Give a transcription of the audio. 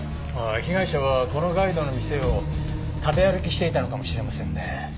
被害者はこのガイドの店を食べ歩きしていたのかもしれませんね。